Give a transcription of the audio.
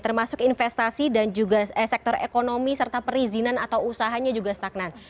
termasuk investasi dan juga sektor ekonomi serta perizinan atau usahanya juga stagnan